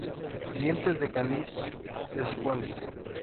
Dientes del cáliz desiguales.